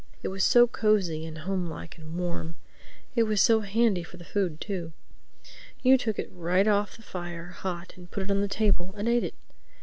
It was so cozy and home like and warm. It was so handy for the food too. You took it right off the fire, hot, and put it on the table and ate it.